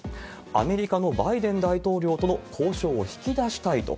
アメリカのバイデン大統領との交渉を引き出したいと。